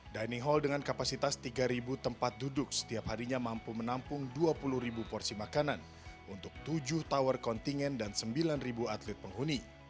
dining hall dengan kapasitas tiga tempat duduk setiap harinya mampu menampung dua puluh ribu porsi makanan untuk tujuh tower kontingen dan sembilan atlet penghuni